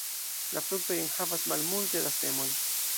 La fruktoj enhavas malmulte da semoj.